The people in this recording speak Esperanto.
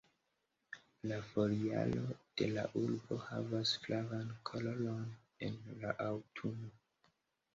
La foliaro de la arbo havas flavan koloron en la aŭtuno.